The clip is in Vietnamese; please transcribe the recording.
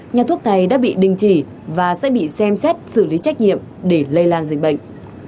nhà thuốc này đã bị đình chỉ và sẽ bị xem xét xử lý trách nhiệm để lây lan dịch bệnh